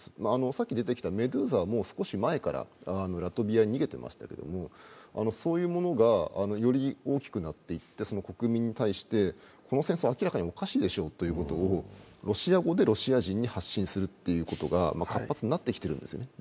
さっき出てきたメドゥーサは少し前からラトビアに逃げてましたけれども、そういうものがより大きくなっていって国民に対して、この戦争は明らかにおかしいでしょうということをロシア語でロシア人に発信するということが活発になってきているんですね。